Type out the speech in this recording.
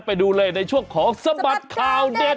ไปดูเลยในช่วงของสบัดข่าวเด็ด